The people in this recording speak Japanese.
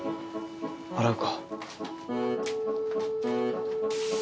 洗うか。